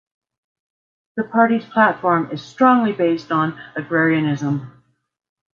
The party's platform is strongly based on agrarianism.